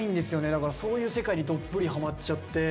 だからそういう世界にどっぷりハマっちゃって。